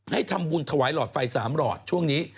ให้ทำบุญถวายหลอดไฟ๓หลอดช่วงนี้